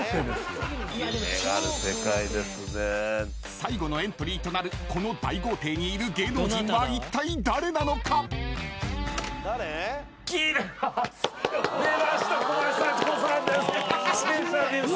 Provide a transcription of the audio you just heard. ［最後のエントリーとなるこの大豪邸にいる芸能人はいったい誰なのか？］嘘！？